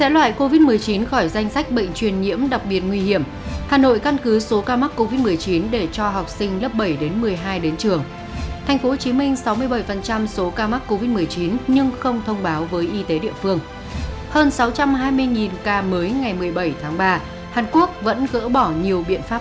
hãy đăng ký kênh để ủng hộ kênh của chúng mình nhé